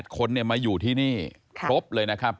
คนมาอยู่ที่นี่ครบเลยนะครับ